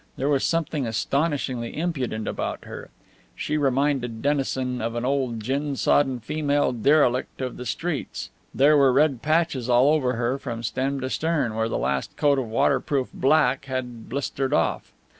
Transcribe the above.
There was something astonishingly impudent about her. She reminded Dennison of an old gin sodden female derelict of the streets. There were red patches all over her, from stem to stern, where the last coat of waterproof black had blistered off.